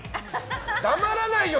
黙らないよ！